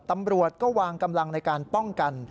ตำรวจก็วางกำลังในการป้องกัน